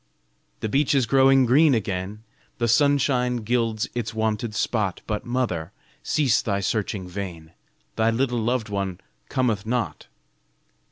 The beech is growing green again, The sunshine gilds its wonted spot, But mother, cease thy searching vain! Thy little loved one cometh not.